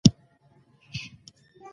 د طبیعي پیښو زیانمنو سره مرسته کیږي.